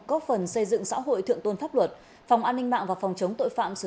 góp phần xây dựng xã hội thượng tôn pháp luật phòng an ninh mạng và phòng chống tội phạm sử